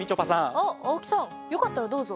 あっ青木さんよかったらどうぞ。